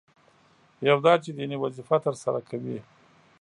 یو دا چې دیني وظیفه ترسره کوي.